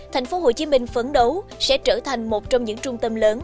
thành phố hồ chí minh phấn đấu sẽ trở thành một trong những trung tâm lớn